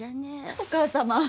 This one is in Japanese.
お義母様。